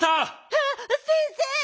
あっ先生！